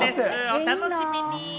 お楽しみに。